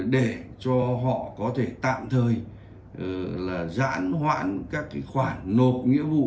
để cho họ có thể tạm thời giãn hoãn các khoản nộp nghĩa vụ